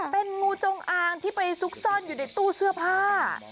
เป็นงูจงอางที่ไปซุกซ่อนอยู่ในตู้เสื้อผ้า